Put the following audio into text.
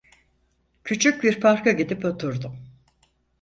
Küçük bir parka girip oturdum.